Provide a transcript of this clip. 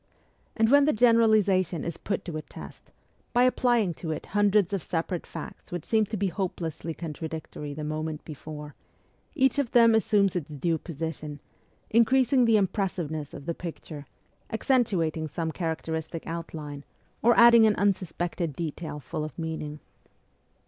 And when the generalization is put to a test, by applying it to hundreds of separate facts which seemed to be hopelessly contradictory the moment before, each of them assumes its due position, increasing the impressiveness of the picture, accentuating some characteristic outline, or adding an unsuspected detail full of meaning.